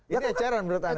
ini eceran menurut anda